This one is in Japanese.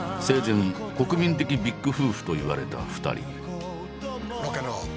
生前国民的ビッグ夫婦といわれた２人。